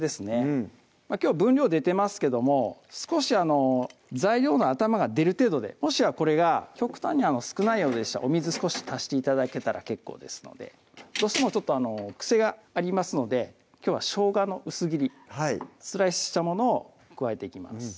うんきょうは分量出てますけども少し材料の頭が出る程度でもしこれが極端に少ないようでしたらお水少し足して頂けたら結構ですのでどうしてもちょっと癖がありますのできょうはしょうがの薄切りスライスしたものを加えていきます